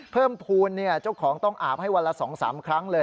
เพิ่มภูมิเจ้าของต้องอาบให้วันละ๒๓ครั้งเลย